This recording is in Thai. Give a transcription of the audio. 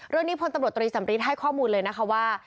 เรื่องนี้พลตำรวจตรีสัมฤทธิ์ให้ข้อมูลเลยนะคะว่า